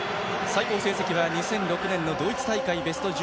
最高成績は２００６年ドイツ大会のベスト１６。